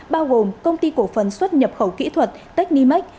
bao gồm công ty cổ phần xuất nhập khẩu kỹ thuật technimax